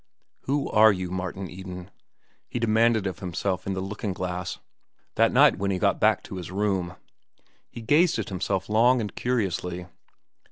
Who are you, Martin Eden? he demanded of himself in the looking glass, that night when he got back to his room. He gazed at himself long and curiously.